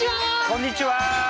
こんにちは！